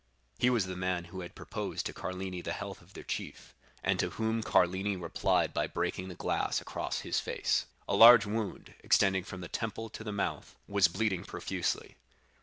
He was the man who had proposed to Carlini the health of their chief, and to whom Carlini replied by breaking the glass across his face. A large wound, extending from the temple to the mouth, was bleeding profusely.